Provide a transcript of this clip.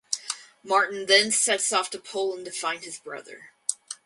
Martin then sets off to Poland to find his brother.